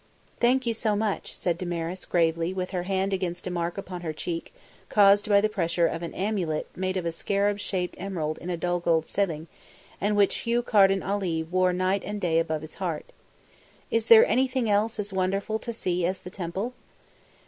"Thank you so much," said Damaris gravely, with her hand against a mark upon her cheek caused by the pressure of an amulet made of a scarab shaped emerald in a dull gold setting, and which Hugh Carden Ali wore night and day above his heart. "Is there anything else as wonderful to see as the Temple?"